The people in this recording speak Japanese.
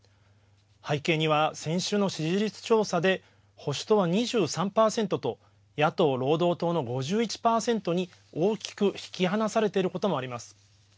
背景には先週の支持率調査で保守党は２３％と野党・労働党の５１％に大きく引きはなされていることもあります。